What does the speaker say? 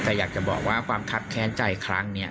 แต่อยากจะบอกว่าความทัศน์แค้นใจครั้งนี้นะครับ